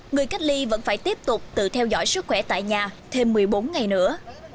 người cách ly vẫn phải tiếp tục tự theo dõi sức khỏe tại nhà thêm một mươi bốn ngày nữa